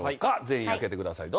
全員開けてください。